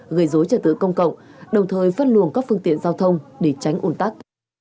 gây dối trật tự công cộng đồng thời phân luồng các phương tiện giao thông để tránh ủn tắc